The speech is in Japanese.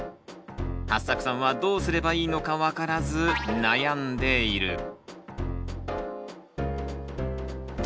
はっさくさんはどうすればいいのか分からず悩んでいる。